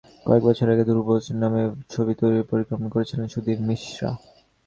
কয়েক বছর আগে ধ্রুব শিরোনামে ছবি তৈরির পরিকল্পনাও করেছিলেন সুধীর মিশরা।